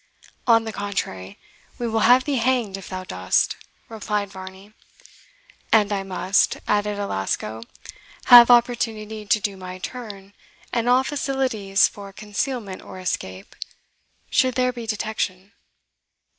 "On the contrary, we will have thee hanged if thou dost," replied Varney. "And I must," added Alasco, "have opportunity to do my turn, and all facilities for concealment or escape, should there be detection?"